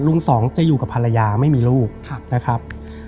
สองจะอยู่กับภรรยาไม่มีลูกนะครับ